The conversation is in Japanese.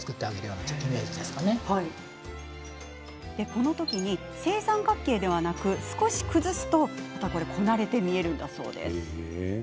この時、正三角形ではなく少し崩すとこなれて見えるんだそう。